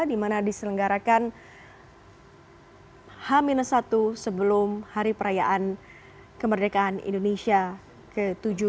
di mana diselenggarakan h satu sebelum hari perayaan kemerdekaan indonesia ke tujuh puluh tujuh